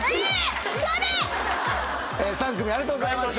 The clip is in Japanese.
３組ありがとうございました。